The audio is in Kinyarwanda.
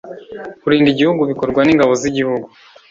kurinda igihugu bikorwa n’ingabo z’igihugu